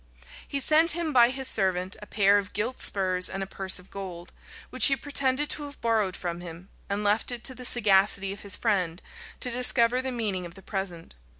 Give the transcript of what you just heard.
He sent him by his servant a pair of gilt spurs and a purse of gold, which he pretended to have borrowed from him; and left it to the sagacity of his friend to discover the meaning of the present.